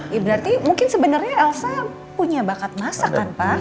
ya berarti mungkin sebenarnya elsa punya bakat masak kan pak